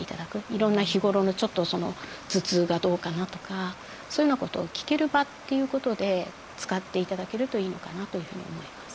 いろんな日頃のちょっと頭痛がどうかなとかそういうようなことを聞ける場ということで使って頂けるといいのかなというふうに思います。